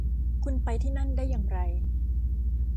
คุณไปที่นั่นได้อย่างไร